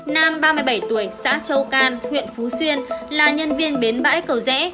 nam ba mươi bảy tuổi xã châu can huyện phú xuyên là nhân viên bến bãi cầu rẽ